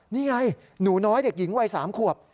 นี่ไงหนูน้อยเด็กหญิงวัย๓ขวบ